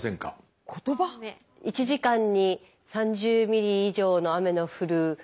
「１時間に３０ミリ以上の雨の降る」のあとは。